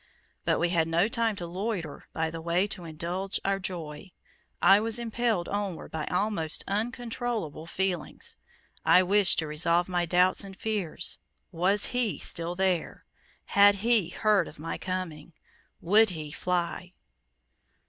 But we had no time to loiter by the way to indulge our joy. I was impelled onward by my almost uncontrollable feelings. I wished to resolve my doubts and fears. Was HE still there? Had HE heard of my coming? Would HE fly?